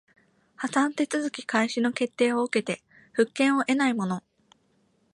破産手続開始の決定を受けて復権を得ない者